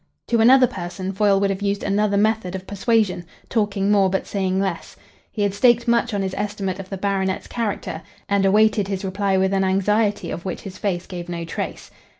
To another person, Foyle would have used another method of persuasion, talking more but saying less. He had staked much on his estimate of the baronet's character, and awaited his reply with an anxiety of which his face gave no trace.